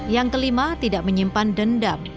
yang kelima tidak menyimpan dendam